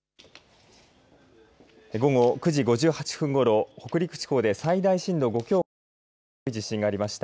午後９時５８分ごろ北陸地方で最大震度５強を観測する強い地震がありました。